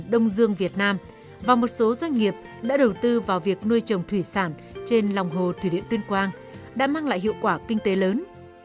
đông dương việt nam và một số doanh nghiệp đã đầu tư vào việc nuôi trồng thủy sản trên lòng hồ thủy điện tuyên quang đã mang lại hiệu quả kinh tế lớn